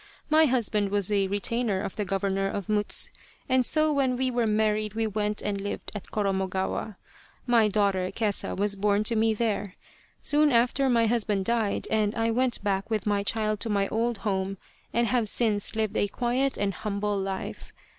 My husband was a retainer of the Governor of Mutsu, and so when we were married we went and lived at Koromogawa. My daughter Kesa was born to me there. Soon after my husband died, and I went back with my child to my old home, and have since lived a quiet and humble life.